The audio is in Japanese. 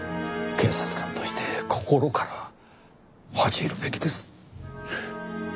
警察官として心から恥じ入るべきです。